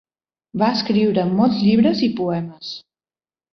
Va escriure molts llibres i poemes.